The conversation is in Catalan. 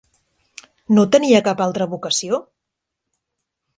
No tenia cap altra vocació?